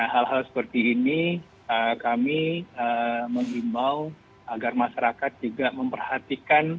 hal hal seperti ini kami mengimbau agar masyarakat juga memperhatikan